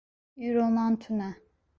Îro nan tune.